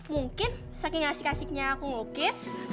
mungkin saking asik asiknya aku melukis